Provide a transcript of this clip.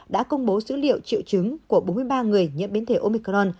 đã công bố dữ liệu triệu chứng của bốn mươi ba người nhiễm biến thể omicron